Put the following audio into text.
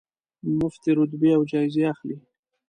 مفتې رتبې او جایزې اخلي.